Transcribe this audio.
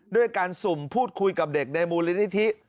ด้วยการสุ่มพูดคุยกับเด็กในมูลนิธิ